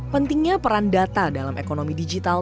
pentingnya peran data dalam ekonomi digital